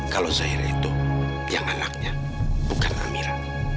kalau zahira itu yang anaknya bukan amira